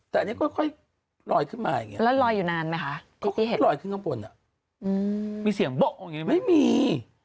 แต่อันนี้ก็ค่อยลอยขึ้นมาอย่างนี้